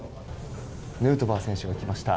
ヌートバー選手が来ました。